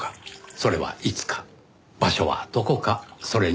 それはいつか場所はどこかそれに。